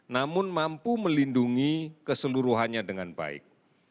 namun mampu melindungi keseluruhannya dengan baik